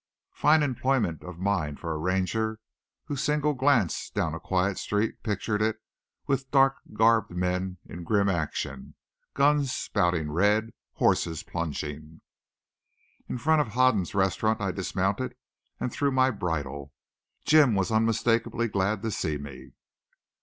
Fine employment of mind for a Ranger whose single glance down a quiet street pictured it with darkgarbed men in grim action, guns spouting red, horses plunging! In front of Hoden's restaurant I dismounted and threw my bridle. Jim was unmistakably glad to see me.